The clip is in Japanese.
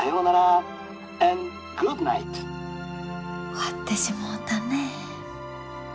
終わってしもうたねえ。